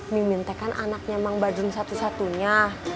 mimin teh kan anaknya emang badrun satu satunya